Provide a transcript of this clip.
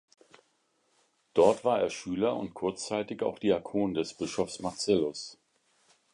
Dort war er Schüler und kurzzeitig auch Diakon des Bischofs Marcellus.